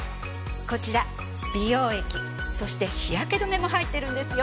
こちら美容液そして日焼け止めも入ってるんですよ。